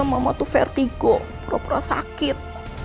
mama tuh vertigo pura pura sakit